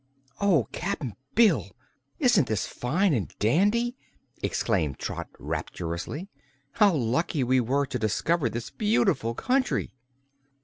"Oh, Cap'n Bill, isn't this fine an' dandy?" exclaimed Trot rapturously. "How lucky we were to discover this beautiful country!"